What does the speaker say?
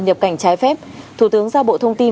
nhập cảnh trái phép thủ tướng giao bộ thông tin